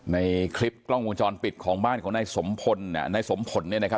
ในคลิปกล้องวงจรปิดของบ้านของนายสมพลนายสมผลเนี่ยนะครับ